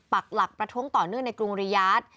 ปักหลักประท้วงต่อเนื่องในกรุงริยาท